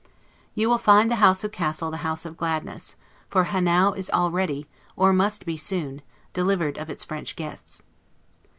You will find the House of Cassel the house of gladness; for Hanau is already, or must be soon, delivered of its French guests.